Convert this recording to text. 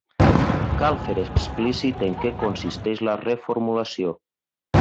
Cal fer explícit en què consisteix la reformulació.